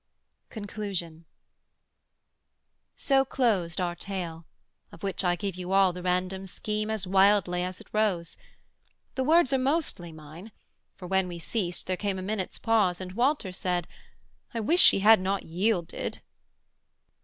CONCLUSION So closed our tale, of which I give you all The random scheme as wildly as it rose: The words are mostly mine; for when we ceased There came a minute's pause, and Walter said, 'I wish she had not yielded!'